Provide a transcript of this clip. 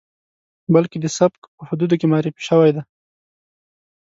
بلکې د سبک په حدودو کې معرفي شوی دی.